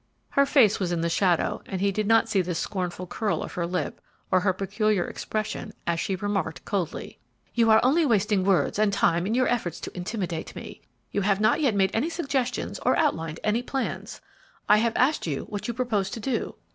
Her face was in the shadow, and he did not see the scornful curl of her lip or her peculiar expression, as she remarked coldly, "You are only wasting words and time in your efforts to intimidate me. You have not yet made any suggestions or outlined any plans. I have asked you what you propose to do."